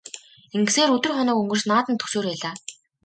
Ингэсээр өдөр хоног өнгөрч наадам дөхсөөр байлаа.